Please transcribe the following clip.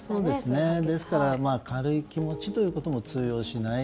ですから軽い気持ちということも通用しない。